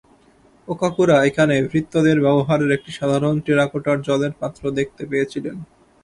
ওকাকুরা এখানে ভৃত্যদের ব্যবহারের একটি সাধারণ টেরাকোটার জলের পাত্র দেখতে পেয়েছিলেন।